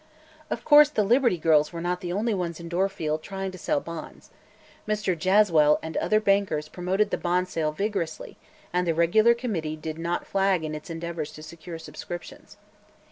Of course the Liberty Girls were not the only ones in Dorfield trying to sell bonds. Mr. Jaswell and other bankers promoted the bond sale vigorously and the regular Committee did not flag in its endeavors to secure subscriptions.